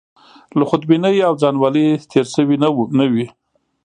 له خودبینۍ او ځانولۍ تېر شوي نه وي.